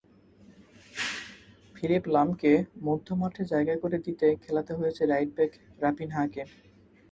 Philip লামকে মধ্যমাঠে জায়গা করে দিতে খেলাতে হয়েছে রাইট ব্যাক রাফিনহাকে।